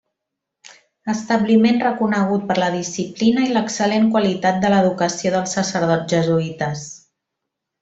Establiment reconegut per la disciplina i l'excel·lent qualitat de l'educació dels sacerdots jesuïtes.